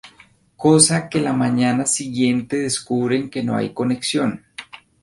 Cosa que la mañana siguiente descubren que no hay conexión.